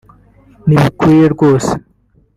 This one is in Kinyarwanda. Ntibikwiriye rwose